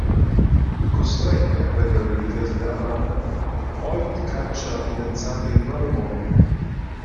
Costretto a prendere le difese della madre, Hoyt caccia la fidanzata in malo modo.